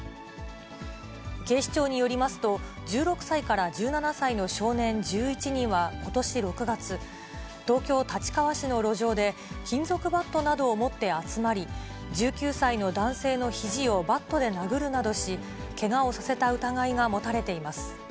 警視庁によりますと、１６歳から１７歳の少年１１人は、ことし６月、東京・立川市の路上で、金属バットなどを持って集まり、１９歳の男性のひじをバットで殴るなどし、けがをさせた疑いが持たれています。